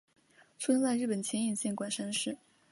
出生在日本千叶县馆山市。